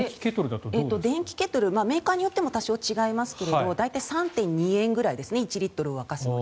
電気ケトルはメーカーによっても多少違いますが大体３．２円ぐらいです１リットル当たり。